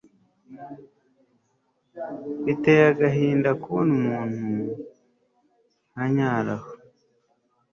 biteye agahinda kubona umuntu anyara aho